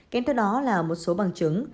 kém theo đó là một số bằng chứng